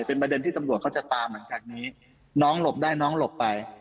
เป็นประเด็นที่ตำรวจเขาจะตามหลังจากนี้น้องหลบได้น้องหลบไป